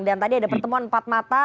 dan tadi ada pertemuan empat mata